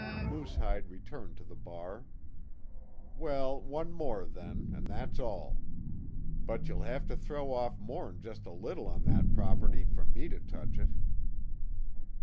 Moosehide returned to the bar: "Well, one more, then, an' that's all. But you'll have to throw off more'n just a little on that property, fer me to touch it."